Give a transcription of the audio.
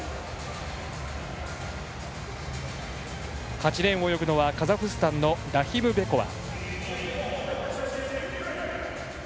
８レーンを泳ぐのはカザフスタンのラヒムベコワ。